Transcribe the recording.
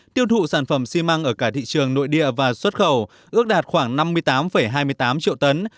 tiêu thụ sản phẩm xi măng ở cả thị trường nội địa và xuất khẩu ước đạt khoảng năm mươi tám hai mươi tám triệu tấn